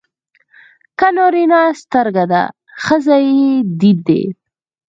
که نارینه سترګه ده ښځه يې دید دی.